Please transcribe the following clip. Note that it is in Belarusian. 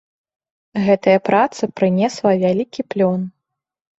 Гэтая праца прынесла вялікі плён.